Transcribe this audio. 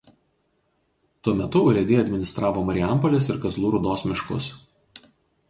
Tuo metu urėdija administravo Marijampolės ir Kazlų Rūdos miškus.